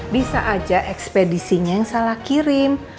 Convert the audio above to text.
bisa aja ekspedisinya yang salah kirim